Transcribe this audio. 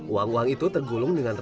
uang uang itu tergulung dengan real